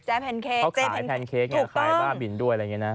แพนเค้กเขาขายแพนเค้กไงขายบ้าบินด้วยอะไรอย่างนี้นะ